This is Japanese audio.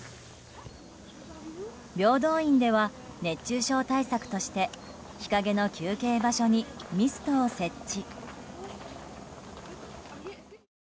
平等院では熱中症対策として日陰の休憩場所にミストを設置。